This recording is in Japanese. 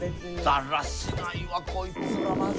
だらしないわこいつらマジで。